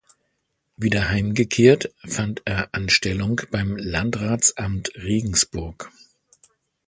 Wieder heimgekehrt, fand er Anstellung beim Landratsamt Regensburg.